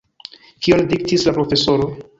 Kion diktis la profesoro?